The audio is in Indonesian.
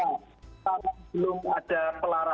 kalau belum ada pelarangan